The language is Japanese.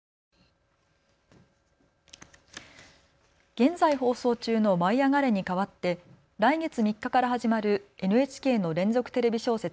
現在放送中の舞いあがれ！に代わって来月３日から始まるＮＨＫの連続テレビ小説